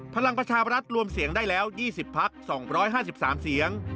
พลังประชาบรัฐรวมเสียงได้แล้ว๒๐พัก๒๕๓เสียง